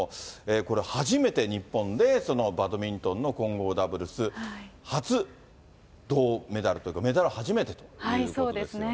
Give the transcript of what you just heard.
これ、初めて日本でバドミントンの混合ダブルス、初銅メダルというか、メダルは初めてということですよね。